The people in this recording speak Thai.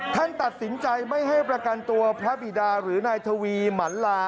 ท่านตัดสินใจไม่ให้ประกันตัวพระบิดาหรือนายทวีหมันลา